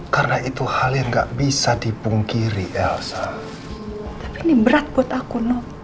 karena itu hal yang nggak bisa dipungkiri elsa ini berat buat aku